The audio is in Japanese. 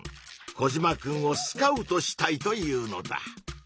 コジマくんをスカウトしたいというのだ。